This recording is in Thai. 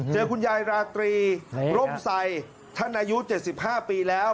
เจอคุณยายราตรีร่มไซท่านอายุ๗๕ปีแล้ว